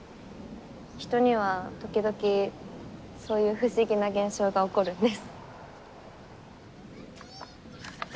人には時々そういう不思議な現象が起こるんです。